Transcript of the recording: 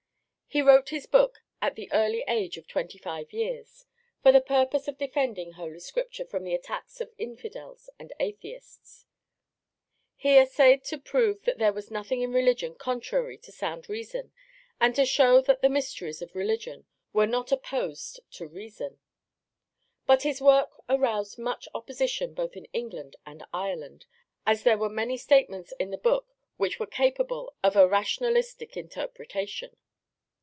He wrote his book at the early age of twenty five years, for the purpose of defending Holy Scripture from the attacks of infidels and atheists; he essayed to prove that there was nothing in religion contrary to sound reason, and to show that the mysteries of religion were not opposed to reason. But his work aroused much opposition both in England and Ireland, as there were many statements in the book which were capable of a rationalistic interpretation.